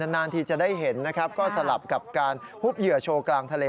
นานทีจะได้เห็นนะครับก็สลับกับการหุบเหยื่อโชว์กลางทะเล